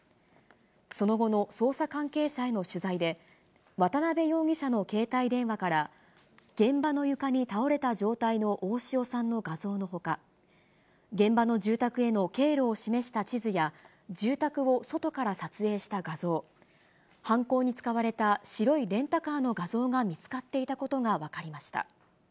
その後の捜査関係者への取材で渡辺容疑者の携帯電話から、現場の床に倒れた状態の大塩さんの画像のほか、現場の住宅への経路を示した地図や、住宅を外から撮影した画像、犯行に使われた白いレンタカーの画像が見つかっていたことが分かりました。